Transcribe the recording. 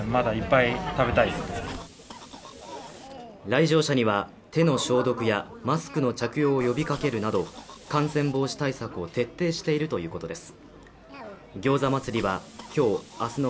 来場者には手の消毒やマスクの着用を呼びかけるなど感染防止対策を徹底しているということです。